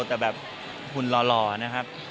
แต่แบบหุ่นหล่อนะครับ